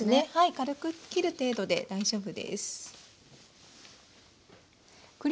軽くきる程度で大丈夫です。